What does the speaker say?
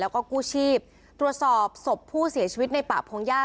แล้วก็กู้ชีพตรวจสอบศพผู้เสียชีวิตในป่าพงหญ้า